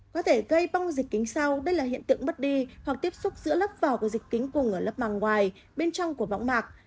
có thể gây bong dịch kính sau đây là hiện tượng mất đi hoặc tiếp xúc giữa lớp vỏ của dịch kính cùng ở lớp màng ngoài bên trong của võng mạc